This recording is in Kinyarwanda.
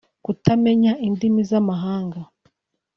Kutamenya indimi z’amahanga